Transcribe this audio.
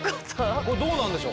これどうなんでしょう？